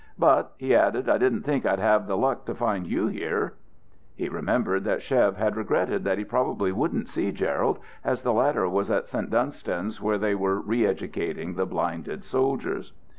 But," he added. "I didn't think I'd have the luck to find you here." He remembered that Chev had regretted that he probably wouldn't see Gerald, as the latter was at St. Dunstan's, where they were re educating the blinded soldiers.